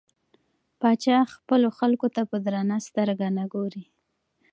پاچا خپلو خلکو ته په درنه سترګه نه ګوري .